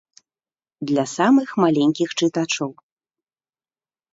Для самых маленькіх чытачоў.